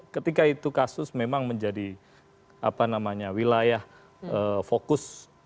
ketika itu kasus memang menjadi wilayah fokus